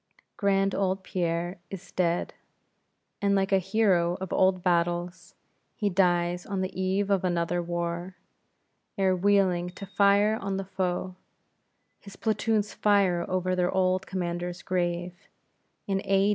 Grand old Pierre is dead; and like a hero of old battles, he dies on the eve of another war; ere wheeling to fire on the foe, his platoons fire over their old commander's grave; in A.